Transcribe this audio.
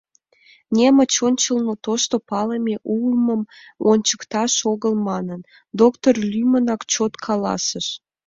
— немыч ончылно тошто палыме улмым ончыкташ огыл манын, доктор лӱмынак чот каласыш.